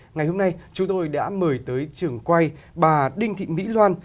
ngày hôm nay chúng tôi đã mời tới trường quay bà đinh thị mỹ loan